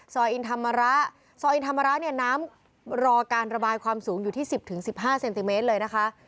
อินธรรมระซอยอินธรรมระเนี่ยน้ำรอการระบายความสูงอยู่ที่๑๐๑๕เซนติเมตรเลยนะคะ